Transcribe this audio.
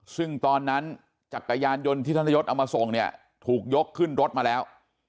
ซึ่งตอนนั้นจักรยานยนต์ที่ท่านยศเอามาส่งเนี่ยถูกยกขึ้นรถมาแล้ว